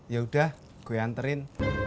ya udah gue nganterin